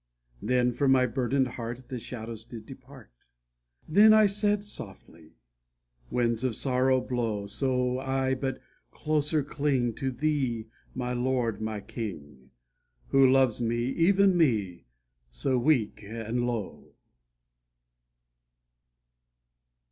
Then from my burdened heart The shadows did depart, Then said I softly "winds of sorrow blow So I but closer cling To thee, my Lord, my King, Who loves me, even me, so weak and low."